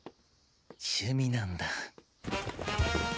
趣味なんだ♥